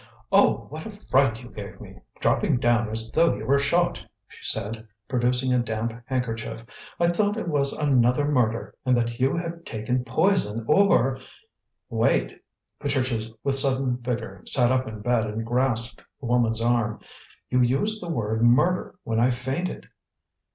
"Oh, what a fright you gave me, dropping down as though you were shot," she said, producing a damp handkerchief. "I thought it was another murder, and that you had taken poison, or " "Wait!" Patricia with sudden vigour sat up in bed and grasped the woman's arm. "You used the word murder when I fainted."